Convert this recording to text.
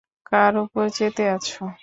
কার উপর চেতে আছো?